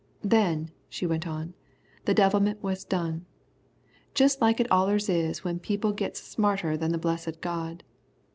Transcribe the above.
"Then," she went on, "the devilment was done. Just like it allers is when people gits smarter than the blessed God.